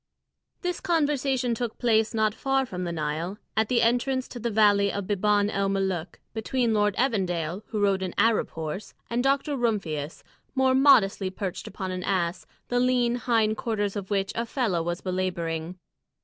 This conversation took place not far from the Nile, at the entrance to the valley of Biban el Molûk, between Lord Evandale, who rode an Arab horse, and Dr. Rumphius, more modestly perched upon an ass, the lean hind quarters of which a fellah was belabouring.